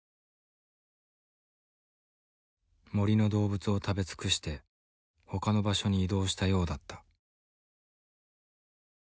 森の動物を食べ尽くしてほかの場所に移動したようだった。